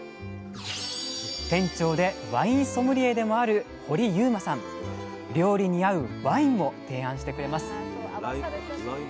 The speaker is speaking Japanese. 店長でワインソムリエでもある料理に合うワインも提案してくれます。